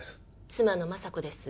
妻の昌子です